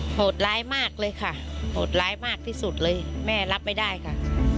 โหดร้ายมากเลยค่ะโหดร้ายมากที่สุดเลยแม่รับไม่ได้ค่ะ